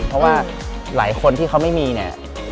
เพราะว่าหลายคนที่เขาไม่มีเนี่ย